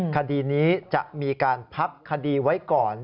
คดีนี้จะมีการพักคดีไว้ก่อน